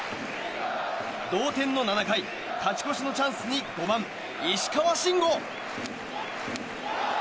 同点の７回勝ち越しのチャンスに５番、石川慎吾。